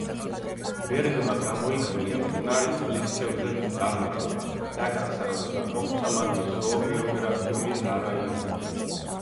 ბერგმა გამოიკვლია მტკნარი წყლის თევზების წარმოშობა და განსახლება, მოგვცა მათი ზოოგეოგრაფიული დარაიონება.